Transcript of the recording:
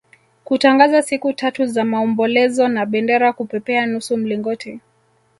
kutangaza siku tatu za maombolezo na bendera kupepea nusu mlingoti